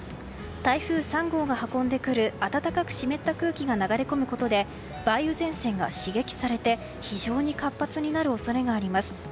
台風３号が運んでくる暖かく湿った空気が流れ込むことで梅雨前線が刺激されて非常に活発になる恐れがあります。